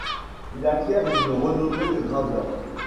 Il acquiert une renommée de graveur.